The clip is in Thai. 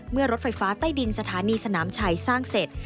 รถไฟฟ้าใต้ดินสถานีสนามชัยสร้างเสร็จ